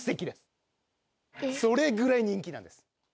それぐらい人気なんです。